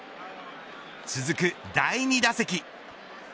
続く、第２打席。